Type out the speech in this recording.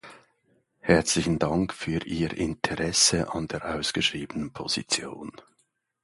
Herzlichen Dank für Ihr Interesse an der ausgeschriebenen Position.